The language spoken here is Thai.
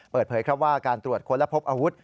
เปิดเผยครับว่าการตรวจค้นและพบอาวุธ